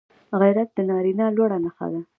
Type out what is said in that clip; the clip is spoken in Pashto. غیرت د نارینه لوړه نښه ده